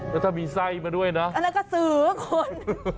แล้วถ้ามีไส้มาด้วยนะแล้วก็สือคน